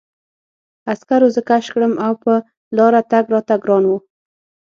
عسکرو زه کش کړم او په لاره تګ راته ګران و